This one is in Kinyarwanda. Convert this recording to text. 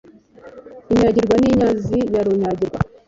Inyagirwa n'inyazi ya Runyagirwa